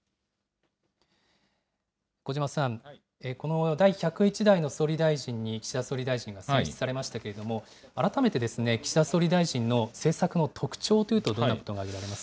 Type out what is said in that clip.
小嶋さん、この第１０１代の総理大臣に岸田総理大臣が選出されましたけれども、改めて岸田総理大臣の政策の特徴というとどんなことが見られます